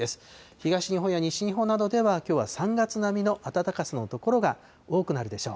東日本や西日本などでは、きょうは３月並みの暖かさの所が多くなるでしょう。